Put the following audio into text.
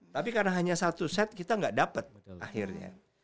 tapi karena hanya satu set kita nggak dapat akhirnya